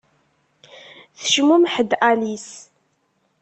Tecmumeḥ-d Alice.